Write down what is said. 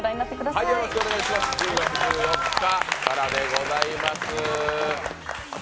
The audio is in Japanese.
はい、１０月１４日からでございます。